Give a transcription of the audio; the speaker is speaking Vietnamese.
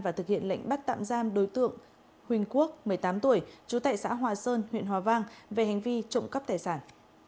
và thực hiện lệnh bắt tạm giam đối tượng huỳnh quốc một mươi tám tuổi trú tại xã hòa sơn huyện hòa vang về hành vi trộm cắp tài sản